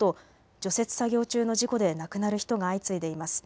除雪作業中の事故で亡くなる人が相次いでいます。